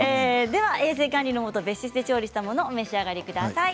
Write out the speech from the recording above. では衛生管理のもと別室で調理したものを召し上がりください。